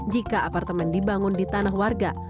jika apartemen dibangun di tanah warga